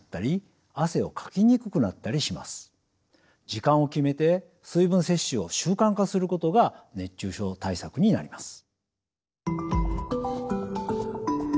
時間を決めて水分摂取を習慣化することが熱中症対策になります。